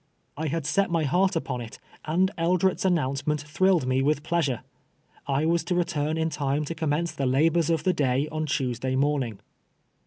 I had set my heart upon it, and KMret's announcement thrilled me with pleasure. I was to return in time to com mence the labors of the day on Tuesday morning.